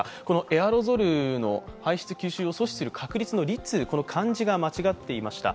エアロゾルの排出吸収を阻止する確率の「率」、漢字が間違っていました。